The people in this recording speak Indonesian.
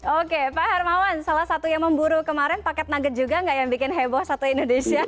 oke pak hermawan salah satu yang memburu kemarin paket nugget juga nggak yang bikin heboh satu indonesia